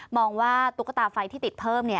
องว่าตุ๊กตาไฟที่ติดเพิ่ม